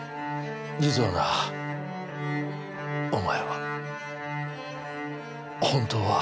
実はなお前は本当は。